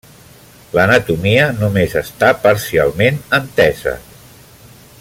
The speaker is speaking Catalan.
L'anatomia només està parcialment entesa.